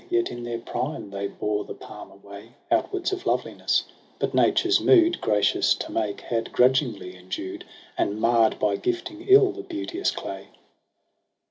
Yet in their prime they bore the palm away ; Outwards of loveliness • but Nature's mood. Gracious to make, had grudgingly endued And marr'd by gifting ill the beauteous clay.